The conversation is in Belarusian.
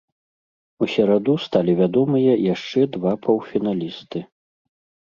У сераду сталі вядомыя яшчэ два паўфіналісты.